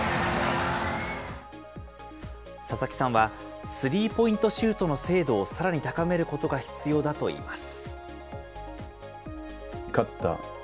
佐々木さんは、スリーポイントシュートの精度をさらに高めることが必要だといいます。